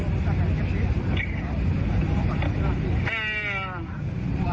ถ้าบอกว่า